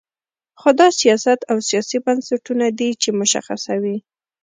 خو دا سیاست او سیاسي بنسټونه دي چې مشخصوي.